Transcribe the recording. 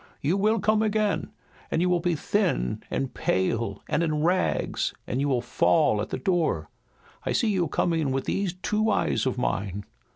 You will come again, and you will be thin and pale and in rags, and you will fall at the door. I see you coming with these two eyes of mine."